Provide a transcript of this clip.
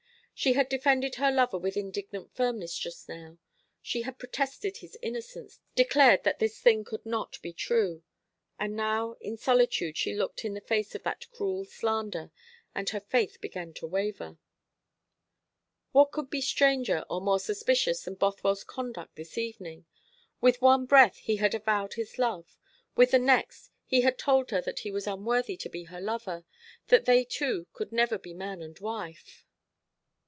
She had defended her lover with indignant firmness just now. She had protested his innocence declared that this thing could not be true; and now in solitude she looked in the face of that cruel slander, and her faith began to waver. What could be stranger or more suspicious than Bothwell's conduct this evening? With one breath he had avowed his love; with the next he had told her that he was unworthy to be her lover that they two could never be man and wife.